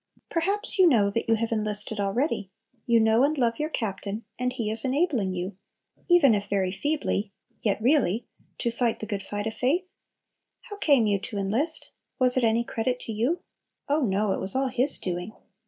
Perhaps you know that you have enlisted already, you know and love your Captain, and He is enabling you, even if very feebly, yet really, to fight the good fight of faith? How came you to enlist? Was it any credit to you? Oh no! it was all His doing.